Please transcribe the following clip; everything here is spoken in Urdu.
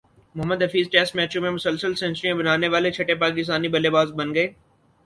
محمدحفیظ ٹیسٹ میچوں میں مسلسل سنچریاںبنانیوالے چھٹے پاکستانی بلے باز بن گئے